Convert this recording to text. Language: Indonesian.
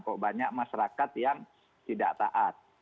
kok banyak masyarakat yang tidak taat